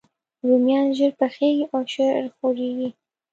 رومیان ژر پخیږي او ژر خورېږي